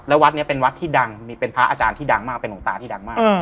แล้ววัดนี้เป็นวัดที่ดังมีเป็นพระอาจารย์ที่ดังมากเป็นหลวงตาที่ดังมาก